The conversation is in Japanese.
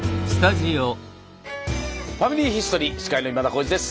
「ファミリーヒストリー」司会の今田耕司です。